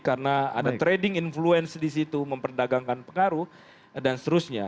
karena ada trading influence di situ memperdagangkan pengaruh dan seterusnya